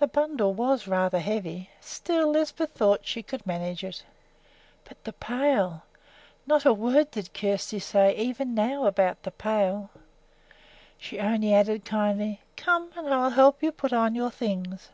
The bundle was rather heavy. Still, Lisbeth thought she could manage it. But the pail! Not a word did Kjersti say, even now, about the pail! She only added, kindly, "Come, and I will help you put on your things."